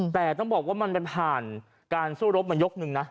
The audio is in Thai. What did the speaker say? แต่ต้องบอกว่ามันไปผ่านการสู้รบมายกหนึ่งนะ